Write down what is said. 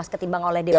ketimbang oleh dprd